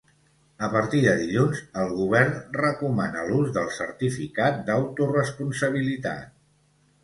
A partir de dilluns el govern recomana l’ús del certificat d’autoresponsabilitat.